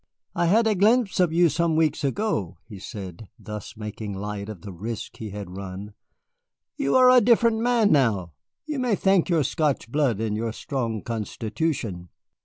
"I had a glimpse of you some weeks ago," he said, thus making light of the risk he had run. "You are a different man now. You may thank your Scotch blood and your strong constitution."